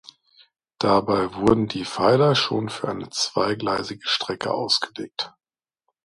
Dabei wurden die Pfeiler schon für eine zweigleisige Strecke ausgelegt.